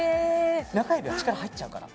中指は力入っちゃうから。